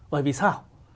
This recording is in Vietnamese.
bởi vì sao